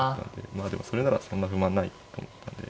まあでもそれならそんな不満ないと思ったんで。